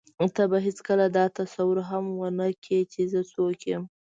ته به هېڅکله دا تصور هم ونه کړې چې زه څوک یم.